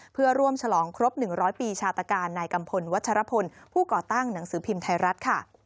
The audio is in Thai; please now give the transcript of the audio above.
เพื่อร่วมฉลองครบ๑๐๐ปีชาตการนายกัมพลวัชรพลผู้ก่อตั้งหนังสือพิมพ์ไทยรัฐค่ะ